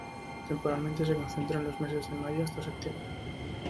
Temporalmente se concentra en los meses de mayo hasta septiembre.